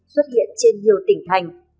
xuất hiện trên nhiều tỉnh thành